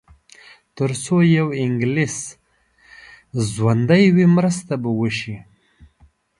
تر څو یو انګلیس ژوندی وي مرسته به وشي.